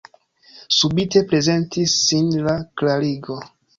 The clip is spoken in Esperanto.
Subite prezentis sin la klarigo.